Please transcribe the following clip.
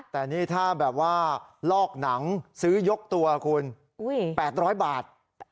แต่นี่ถ้าแบบว่าลอกหนังซื้อยกตัวคุณ๘๐๐บาท